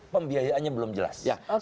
pembiayaannya belum jelas